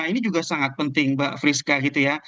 ini juga sangat penting mbak friska gitu ya